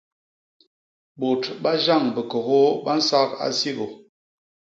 Bôt ba Jéan Bikôgôô ba nsak Asikô.